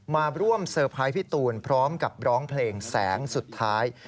มาร่วมเซอร์ไพรส์พี่ตูนพร้อมกับร้องเพลงแสงสุดท้าย